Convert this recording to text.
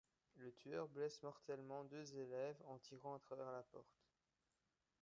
Le tueur blesse mortellement deux élèves en tirant à travers la porte.